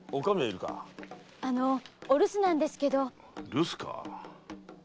留守か。